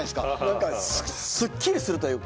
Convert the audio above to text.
何かすっきりするというか。